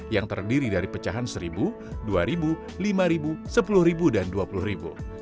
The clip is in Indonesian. yang terdiri dari pecahan rp satu dua ribu lima rp sepuluh dan rp dua puluh ribu